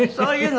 はい。